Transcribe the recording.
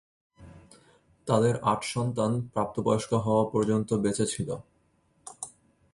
তাদের আট সন্তান প্রাপ্তবয়স্ক হওয়া পর্যন্ত বেঁচে ছিল।